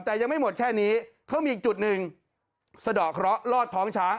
แต่ยังไม่หมดแค่นี้เขามีอีกจุดหนึ่งสะดอกเคราะห์รอดท้องช้า